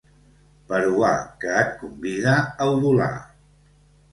Peruà que et convida a udolar.